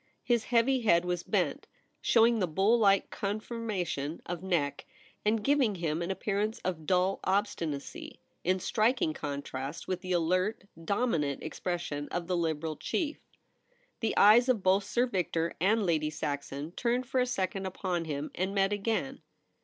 His heavy head was bent, showing the bull like conformation of neck, and giving him an appearance of dull obstinacy, in striking contrast with the alert, dominant expression of the Liberal chief. The eyes of both Sir Victor and Lady Saxon turned for a second upon him, and met again.